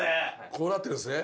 こうなってるんですね。